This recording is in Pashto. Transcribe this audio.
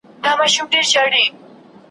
په پرون پسي چي نن راغی سبا سته ,